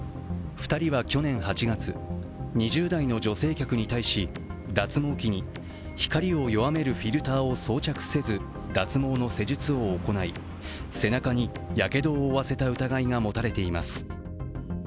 ２人は去年８月、２０代の女性客に対し、脱毛器に光を弱めるフィルターを装着せず脱毛の施術を行い、背中にやけどを負わせた疑いが持たれています。